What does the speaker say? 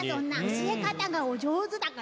教え方がお上手だから。